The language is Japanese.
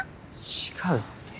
違うって。